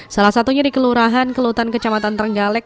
salah satunya di kelurahan kelutan kecamatan trenggalek